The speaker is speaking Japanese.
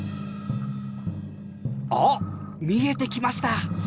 あっ見えてきました。